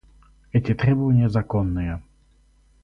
Эти требования законные.